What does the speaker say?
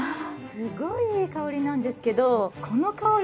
すごいいい香りなんですけど。